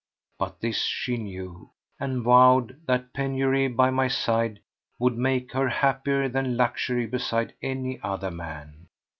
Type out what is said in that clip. But this she knew, and vowed that penury by my side would make her happier than luxury beside any other man.